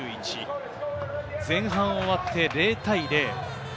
前半を終わって０対０。